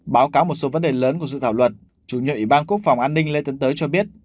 báo cáo một số vấn đề lớn của dự thảo luật chủ nhiệm ủy ban quốc phòng an ninh lê tấn tới cho biết